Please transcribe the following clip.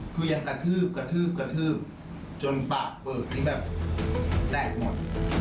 คือยังกระทืบกระทืบกระทืบจนปากเปิดนี่แบบแตกหมด